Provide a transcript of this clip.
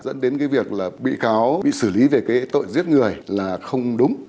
dẫn đến cái việc là bị cáo bị xử lý về cái tội giết người là không đúng